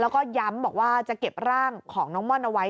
แล้วก็ย้ำบอกว่าจะเก็บร่างของน้องม่อนเอาไว้